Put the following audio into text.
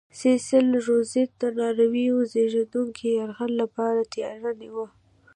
سیسل رودز د ناورین زېږوونکي یرغل لپاره تیاری نیوه.